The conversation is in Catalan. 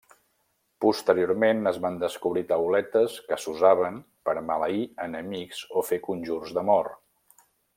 Posteriorment, es van descobrir tauletes que s'usaven per a maleir enemics o fer conjurs d'amor.